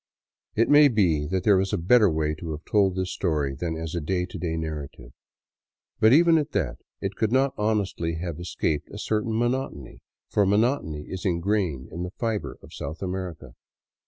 It may be that there was a better way to have told this story than as a day to day narrative. But even at that, it could not honestly have escaped a certain monotony; for monotony is ingrained in the fiber of South America.